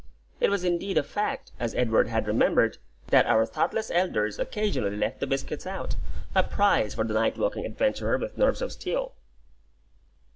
It was indeed a fact, as Edward had remembered, that our thoughtless elders occasionally left the biscuits out, a prize for the night walking adventurer with nerves of steel.